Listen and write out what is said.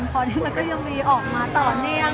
พอนี้มันก็ยังมีออกมาต่อเนื่อง